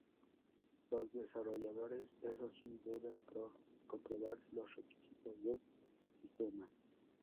Los desarrolladores, eso sí, deben comprobar los requisitos del sistema.